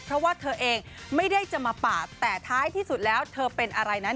เพราะว่าเธอเองไม่ได้จะมาปาดแต่ท้ายที่สุดแล้วเธอเป็นอะไรนั้น